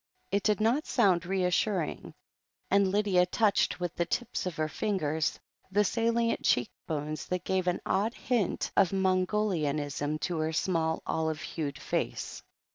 It did not sound reassuring, and Lydia touched with the tips of her fingers the salient cheek bones that gave an odd hint of Mongolianism to her small olive hued face.